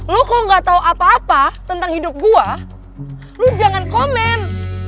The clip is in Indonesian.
lu kalo gak tau apa apa tentang hidup gue lu jangan komen